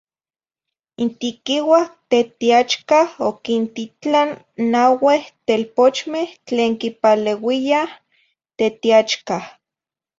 In tiquiuah n tetiachcah oquintitlah naueh telpochmeh tlen quipaleuiyah n tetiachcah.